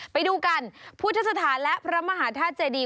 ไปดูกันพุทธสถานและพระมหาธาตุเจดี